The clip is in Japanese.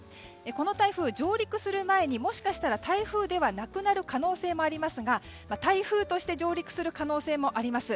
この台風、上陸する前にもしかしたら台風ではなくなる可能性もありますが台風として上陸する可能性もあります。